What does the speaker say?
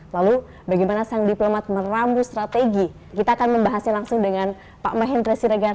lalu bagaimana sang diplomat merambu strategi kita akan membahasnya langsung dengan pak mahendra siregar